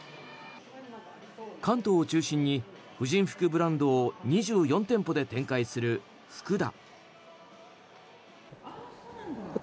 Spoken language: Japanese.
関東を中心に婦人服ブランドを２４店舗で展開するフクダ。